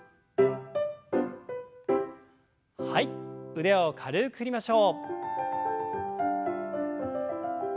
腕を軽く振りましょう。